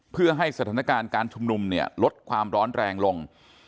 เพื่อให้สถานการณ์การชุมนุมเนี่ยลดความร้อนแรงลง